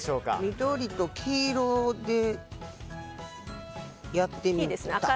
緑と黄色でやってみた。